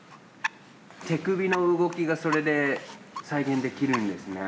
手首の動きがそれで再現できるんですね。